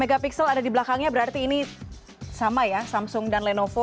megapiksel ada di belakangnya berarti ini sama ya samsung dan lenovo